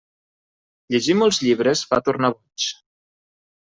Llegir molts llibres fa tornar boig.